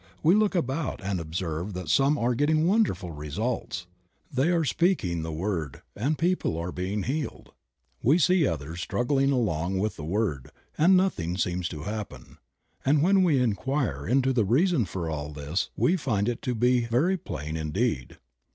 We look about and observe that some are getting wonderful results, they are speaking the word and people are being healed. We see others struggling along with the word, and nothing seems to happen ; and when we Creative Mind. 27 inquire into the reason for all this we find it to be very plain indeed.